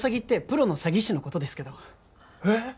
プロの詐欺師のことですけどえーっ！？